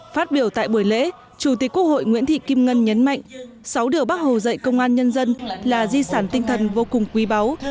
phát biểu tại buổi lễ chủ tịch quốc hội nguyễn thị kim ngân nhấn mạnh sáu điều bác hồ dạy công an nhân dân là di sản tinh thần vô cùng quý báu